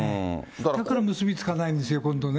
だから結び付かないんですよね、本当ね。